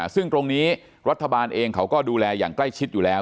ซึ่งตรงนี้รัฐบาลเองเขาก็ดูแลอย่างใกล้ชิดอยู่แล้ว